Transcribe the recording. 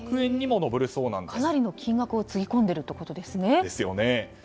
かなりの金額をつぎ込んでるってことですね。